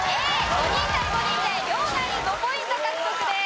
５人対５人で両ナイン５ポイント獲得です。